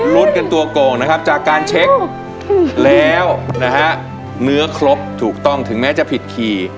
แล้วนะฮะเหนือครบถูกต้องถึงแม้จะผิดขี่